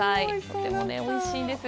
とてもおいしいんです。